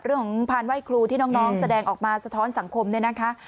พานไหว้ครูที่น้องแสดงออกมาสะท้อนสังคมเนี่ยนะคะ